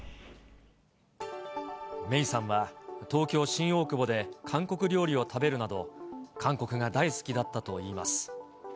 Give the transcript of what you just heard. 芽生さんは東京・新大久保で韓国料理を食べるなど、韓国が大好きだったといいます。